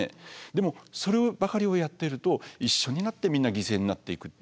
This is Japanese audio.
でもそればかりをやっていると一緒になってみんな犠牲になっていく。